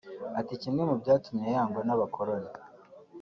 Ati “Kimwe mu byatumye yangwa n’abakoroni